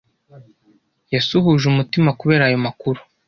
Yasuhuje umutima kubera ayo makuru.